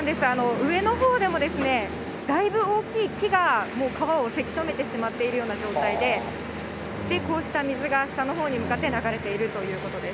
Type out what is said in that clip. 上のほうでもだいぶ大きい木がもう川をせき止めてしまっているような状態で、こうした水が下のほうに向かって流れているということです。